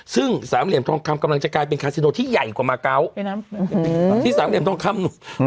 ซึ่งสามเหลี่ยมทองคำกำลังจะกลายเป็นคาซิโนที่ใหญ่กว่ามาเกาะที่สามเหลี่ยมทองคำหนู